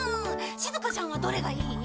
しずかちゃんはどれがいい？